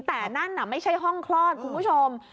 แต่นั่นไม่ใช่ห้องคลอดคุณผู้ชม